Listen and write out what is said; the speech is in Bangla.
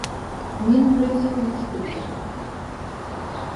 মিনগ্রেলীয় উইকিপিডিয়া